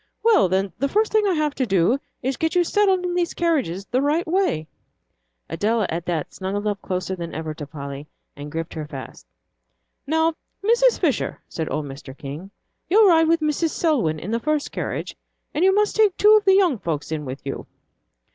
Well then, the first thing I have to do is to get you settled in these carriages the right way." Adela, at that, snuggled up closer than ever to Polly, and gripped her fast. "Now, Mrs. Fisher," said old Mr. King, "you'll ride with Mrs. Selwyn in the first carriage, and you must take two of the young folks in with you."